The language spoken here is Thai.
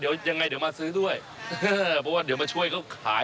เดี๋ยวยังไงเดี๋ยวมาซื้อด้วยเออเพราะว่าเดี๋ยวมาช่วยเขาขาย